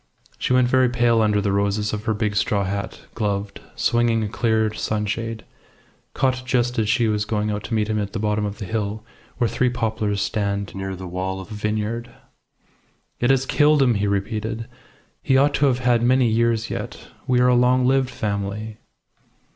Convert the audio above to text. She went very pale under the roses of her big straw hat, gloved, swinging a clear sunshade, caught just as she was going out to meet him at the bottom of the hill, where three poplars stand near the wall of a vineyard. "It has killed him!" he repeated. "He ought to have had many years yet. We are a long lived family."